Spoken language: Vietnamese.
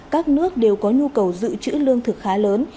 các nước đều có nhu cầu dự trữ lương thực khá lớn